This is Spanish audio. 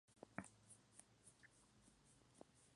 Ella es originaria del Bangladesh, India, y Myanmar.